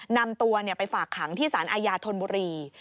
นำตัวไปฝากขังที่สารอาญาธนบุรี